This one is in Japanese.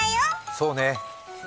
そうね。